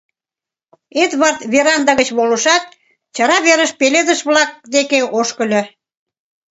Эдвард веранда гыч волышат, чара верыш пеледыш-влак деке ошкыльо.